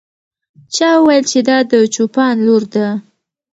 چا وویل چې دا د چوپان لور ده.